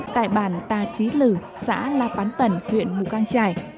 tại bản tà trí lử xã la bán tẩn huyện mù cang trải